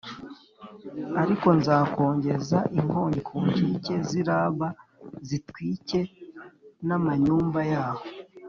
Ariko nzakongeza inkongi ku nkike z’i Raba zitwike n’amanyumba yaho